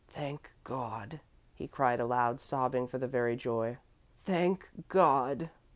"Thank God," he cried aloud, sobbing for very joy, "Thank God!"